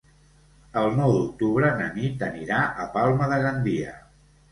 El nou d'octubre na Nit anirà a Palma de Gandia.